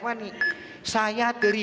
mereka punya program